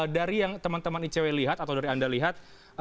dari yang teman teman icw lihat atau dari anda lihat